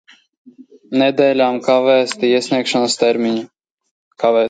Nedēļām kavēti iesniegšanas termiņi.